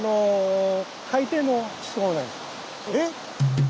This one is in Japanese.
えっ⁉